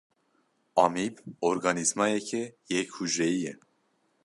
Amîb organîzmayeke yek hucreyî ye.